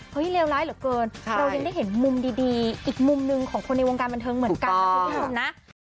เฮ้ยเลวร้ายเหลือเกิน